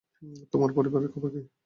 তোমার পরিবারের কি খবর?